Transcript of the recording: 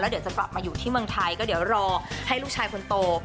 เดี๋ยวจะกลับมาอยู่ที่เมืองไทยก็เดี๋ยวรอให้ลูกชายคนโต